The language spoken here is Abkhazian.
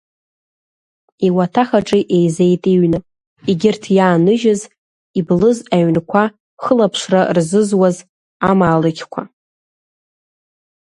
Иуаҭах аҿы еизеит иҩны, егьырҭ иааныжьыз, иблыз аҩнқәа хылаԥшра рзызуаз амаалықьқәа.